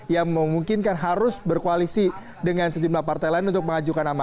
yang memungkinkan harus berkoalisi dengan sejumlah partai lain untuk mengajukan nama